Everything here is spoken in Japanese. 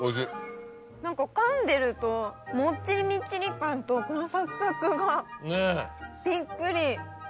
何かかんでるともっちりみっちりパンとこのサクサクがびっくり。